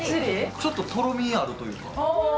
ちょっととろみがあるというか。